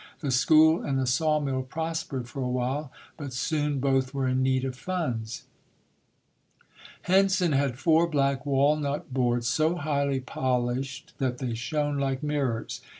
The school and the sawmill prospered for a while, but soon both were in need of funds. Henson had four black walnut boards so highly polished that they shone like mirrors.